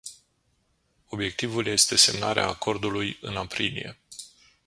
Obiectivul este semnarea acordului în aprilie.